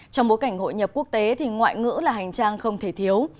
trong bối cảnh hội nhập quốc tế thì ngoại ngữ là hành trang không thể thiếu